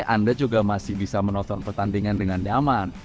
anda juga masih bisa menonton pertandingan dengan daman